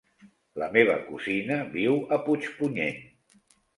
La meva cosina viu a Puigpunyent.